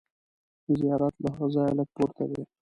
زیارت له هغه ځایه لږ پورته دی.